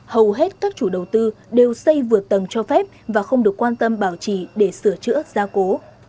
hầu hết các chủ đầu tư đều xây vượt tầng cho phép và không được quan tâm bảo trì để sửa chữa gia cố